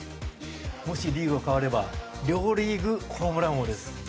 もしリーグが変われば両リーグホームラン王です。